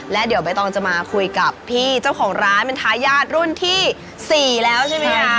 และเดี๋ยวใบตองจะมาคุยกับพี่เจ้าของร้านเป็นทายาทรุ่นที่๔แล้วใช่ไหมคะ